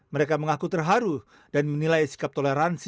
mereka mengaku terharu dan menilai sikap toleransi